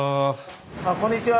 あっこんにちは。